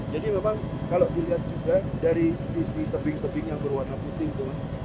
jadi memang kalau dilihat juga dari sisi tebing tebing yang berwarna putih itu mas